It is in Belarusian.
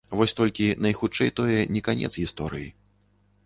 Вось толькі, найхутчэй, тое не канец гісторыі.